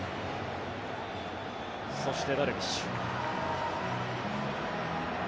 そして、ダルビッシュ。